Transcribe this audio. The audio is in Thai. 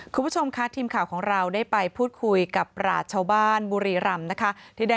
คุณผู้ชมค่ะทีมข่าวของเราได้ไปพูดคุยกับราชชาวบ้านบุรีรำนะคะ